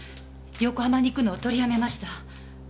横浜に行くのを取りやめました。